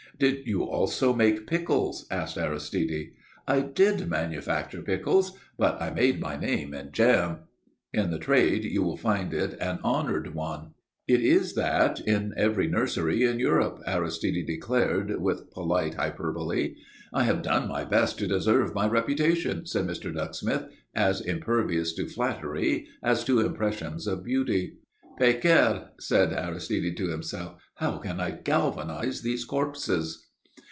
"Did you also make pickles?" asked Aristide. "I did manufacture pickles, but I made my name in jam. In the trade you will find it an honoured one." "It is that in every nursery in Europe," Aristide declared, with polite hyperbole. "I have done my best to deserve my reputation," said Mr. Ducksmith, as impervious to flattery as to impressions of beauty. "Pécaïre!" said Aristide to himself, "how can I galvanize these corpses?"